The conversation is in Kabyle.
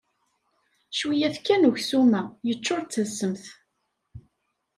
Cwiyya-t kan uksum-a, yeččur d tasemt.